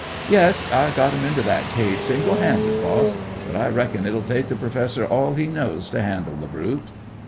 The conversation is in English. "Yes, I got him into that cage single handed, boss; but I reckon it'll take the Professor all he knows to handle the brute."